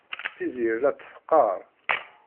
Tiziri la tt-teqqar.